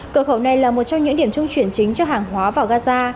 cửa khẩu này là một trong những điểm trung chuyển chính cho hàng hóa vào gaza